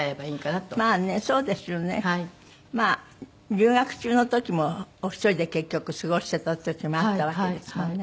留学中の時もお一人で結局過ごしてた時もあったわけですもんね。